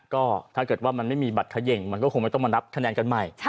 ก็ถ้าเกิดว่ามันไม่มีบัตรเขย่งมันก็คงไม่ต้องมานับคะแนนกันใหม่